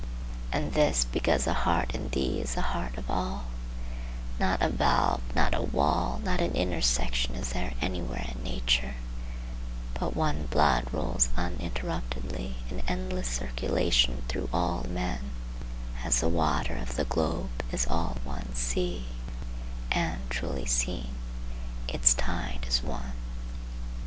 And this because the heart in thee is the heart of all; not a valve, not a wall, not an intersection is there anywhere in nature, but one blood rolls uninterruptedly an endless circulation through all men, as the water of the globe is all one sea, and, truly seen, its tide is one.